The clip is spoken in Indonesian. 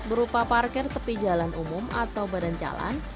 berupa parkir tepi jalan umum atau badan jalan